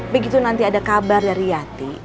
begitu nanti ada kabar dari yati